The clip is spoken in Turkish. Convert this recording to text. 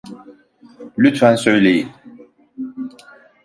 Lütfen söyleyin.